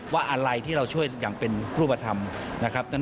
ว่าอะไรที่เราช่วยอย่างเป็นรูปธรรมนะครับ